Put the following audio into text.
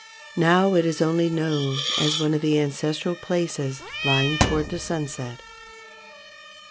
Now it is only known as one of the ancestral places lying toward the sunset.